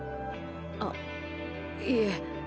あっいえ。